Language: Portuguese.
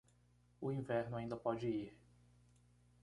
O inverno ainda pode ir